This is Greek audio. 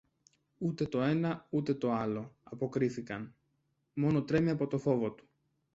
Ούτε το ένα ούτε το άλλο, αποκρίθηκαν, μόνο τρέμει από το φόβο του.